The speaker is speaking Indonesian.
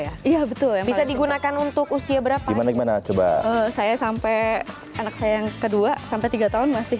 iya betul yang paling simpel bisa digunakan untuk usia berapa gimana gimana coba saya sampai anak saya yang kedua sampai tiga tahun masih